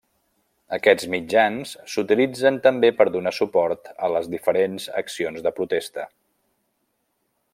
Aquests mitjans s'utilitzen també per donar suport a les diferents accions de protesta.